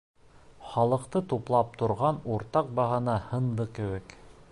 Халыҡты туплап торған уртаҡ бағана һынды кеүек.